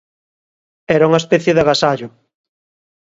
Era unha especie de agasallo.